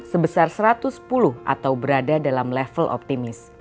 sebesar satu ratus sepuluh atau berada dalam level optimis